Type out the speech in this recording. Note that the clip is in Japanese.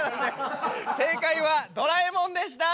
正解は「ドラえもん」でした。